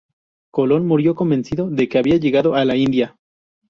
Colón murió convencido de que había llegado a la India.